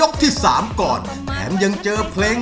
เกิดเสียแฟนไปช่วยไม่ได้นะ